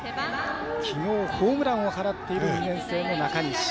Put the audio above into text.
きのうホームランを放っている２年生の中西。